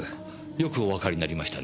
よくおわかりになりましたね